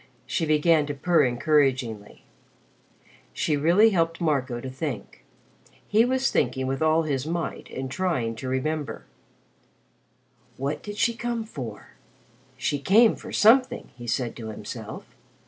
She began to purr encouragingly. She really helped Marco to think. He was thinking with all his might and trying to remember. "What did she come for? She came for something," he said to himself.